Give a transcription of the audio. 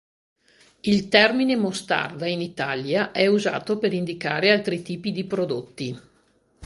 Il termine mostarda in Italia è usato per indicare altri tipi di prodotti.